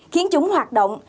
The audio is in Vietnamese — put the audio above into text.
khiến chúng hoạt động